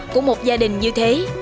của một gia đình như thế